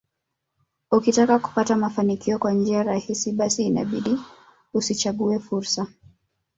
Ukitaka kupata mafanikio kwa njia rahisi basi inabidi usichague fursa